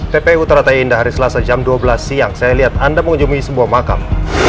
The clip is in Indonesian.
pp utara tayi indahari selasa jam dua belas siang saya lihat anda mengunjungi sebuah makam